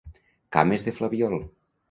Cames de flabiol.